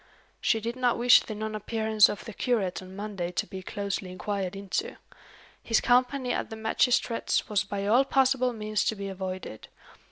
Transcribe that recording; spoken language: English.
"She did not wish the non appearance of the curate on Monday to be closely inquired into. His company at the magistrate's was by all possible means to be avoided.